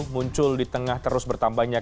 muncul di tengah terus bertambahnya